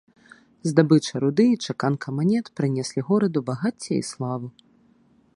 Здабыча руды і чаканка манет прынеслі гораду багацце і славу.